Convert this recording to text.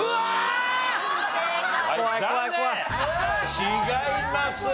違います。